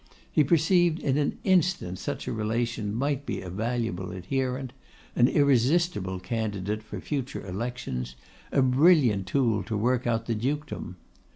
He perceived in an instant such a relation might be a valuable adherent; an irresistible candidate for future elections: a brilliant tool to work out the Dukedom.